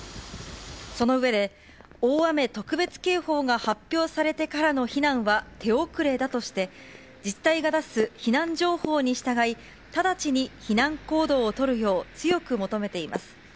その上で、大雨特別警報が発表されてからの避難は手遅れだとして、自治体が出す避難情報に従い、直ちに避難行動を取るよう、強く求めています。